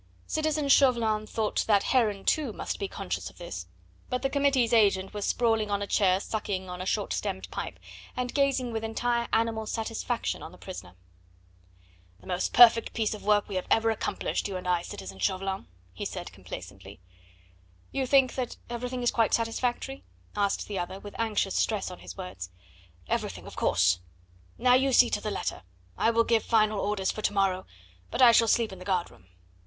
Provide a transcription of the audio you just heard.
Citizen Chauvelin thought that Heron, too, must be conscious of this, but the Committee's agent was sprawling on a chair, sucking a short stemmed pipe, and gazing with entire animal satisfaction on the prisoner. "The most perfect piece of work we have ever accomplished, you and I, citizen Chauvelin," he said complacently. "You think that everything is quite satisfactory?" asked the other with anxious stress on his words. "Everything, of course. Now you see to the letter. I will give final orders for to morrow, but I shall sleep in the guard room."